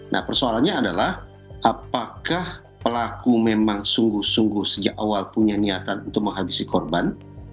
nah persoalannya adalah apakah pelaku memang sungguh sungguh sejak awal punya niatan untuk menghabisi korban